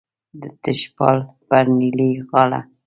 د تشیال پر نیلی غاړه